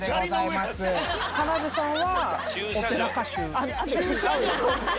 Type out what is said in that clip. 田辺さんは。